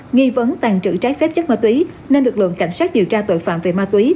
nghi vấn tàn trữ trái phép chất ma túy nên lực lượng cảnh sát điều tra tội phạm về ma túy